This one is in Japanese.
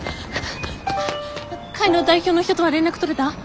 会の代表の人とは連絡取れた？